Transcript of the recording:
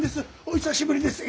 お久しぶりです。